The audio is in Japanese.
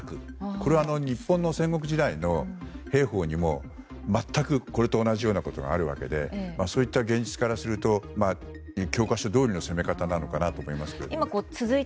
これは日本の戦国時代の兵法にも全くこれと同じようなことがあるわけでそういった現実からすると教科書どおりの攻め方なのかなと思いますね。